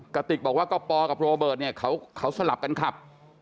กระติกบอกว่าก็ปกับโรเบิร์ตเนี่ยเขาสลับกันขับ